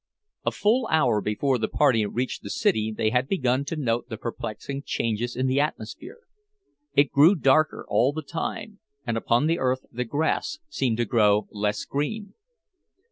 A full hour before the party reached the city they had begun to note the perplexing changes in the atmosphere. It grew darker all the time, and upon the earth the grass seemed to grow less green.